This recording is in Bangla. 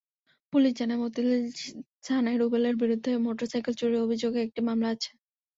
পুলিশ জানায়, মতিঝিল থানায় রুবেলের বিরুদ্ধে মোটরসাইকেল চুরির অভিযোগে একটি মামলা আছে।